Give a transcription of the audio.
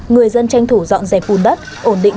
người dân tranh thủ dọn dẹp bùn đất ổn định